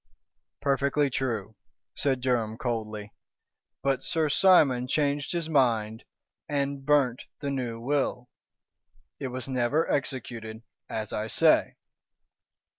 "Perfectly true," said Durham, coldly. "But Sir Simon changed his mind and burnt the new will. It was never executed, as I say."